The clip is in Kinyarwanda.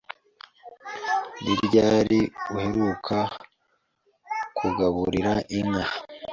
Ni ryari uheruka kugaburira inka?